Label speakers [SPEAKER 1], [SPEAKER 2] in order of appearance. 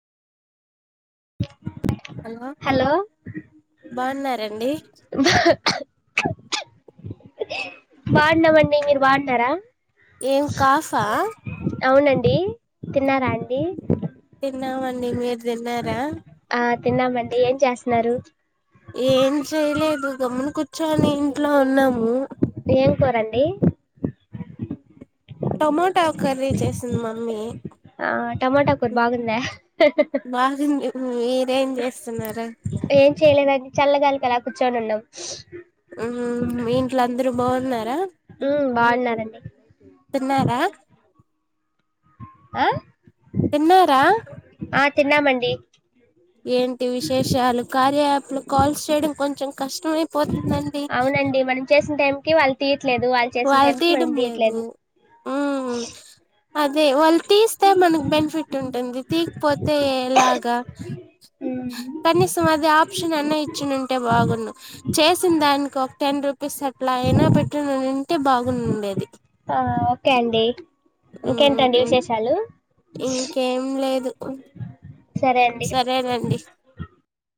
[SPEAKER 1] Hello బాన్నారండి
[SPEAKER 2] బాన్నమండి మీరు బాన్నారా
[SPEAKER 1] ఏం కాఫా
[SPEAKER 2] అవునండి తిన్నారా అండి
[SPEAKER 1] తిన్నామండి మీరు తిన్నారా
[SPEAKER 2] ఆ తిన్నామండి ఏం చేస్తున్నారు
[SPEAKER 1] ఏం చేయిలేదు గమ్మున ర్చొని ఇంట్లో ఉన్నాం మ్మ్
[SPEAKER 2] ఏం కూరండి
[SPEAKER 1] టొమోటో కర్రీ చేస్ మమ్మీ
[SPEAKER 2] ఆ టమోటా కూర్ బాగుంద
[SPEAKER 1] బాగుంది మీరేం చేస్తున్నారు
[SPEAKER 2] ఏం చేయలేదండి చల్లగాలికి అలా కూర్చొని ఉన్నం
[SPEAKER 1] మ్మ్ మీఇంట్లో అందరూ బాన్నారా
[SPEAKER 2] ఉమ్ బాగున్నారండి
[SPEAKER 1] తిన్నారా
[SPEAKER 2] ఆ
[SPEAKER 1] తిన్నారా
[SPEAKER 2] ఆ తిన్నామండి
[SPEAKER 1] ఏంటి విశేషాలు కార్యయాప్ ఇప్పుడు కాల్స్ చేయడం కొంచెం కష్టమయిపోత్
[SPEAKER 2] అవునండి మనం చేసిన టైంకి వాళ్
[SPEAKER 1] వాళ్ళు తీయడం లేదు మ్మ్ అదే వాళ్ళు తీస్తే మనకు బెనిఫిట్ ఉంటుంది తీకపోతే ఎలాగా
[SPEAKER 2] ఉమ్.
[SPEAKER 1] కనీసం అది ఆప్షన్ అన్నా ఇచ్చునుంటే బాగుండు చేసిన దానికి ఒక టెన్ రూపీస్ అట్లా అయినా పెట్టనున్నింటే బాగునుండేది
[SPEAKER 2] ఆ ఓకే అండి ఇంకేంటండి
[SPEAKER 1] మ్మ్
[SPEAKER 2] విశేషాలు
[SPEAKER 1] ఇంకేం లేదు
[SPEAKER 2] సరే అండి
[SPEAKER 1] సరేనండి